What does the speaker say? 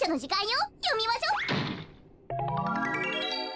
よみましょ。